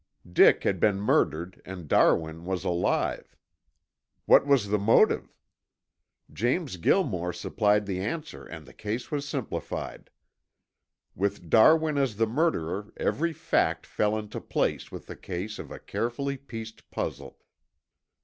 Dick had been murdered and Darwin was alive. What was the motive? James Gilmore supplied the answer and the case was simplified. With Darwin as the murderer every fact fell into place with the ease of a carefully pieced puzzle.